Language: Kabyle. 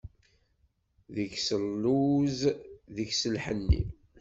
Deg-s lluz, deg-s lḥenni.